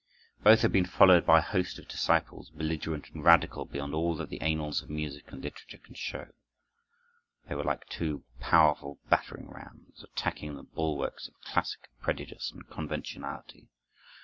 Both have been followed by a host of disciples, belligerent and radical beyond all that the annals of music and literature can show. They were like two powerful battering rams, attacking the bulwarks of classic prejudice and conventionality.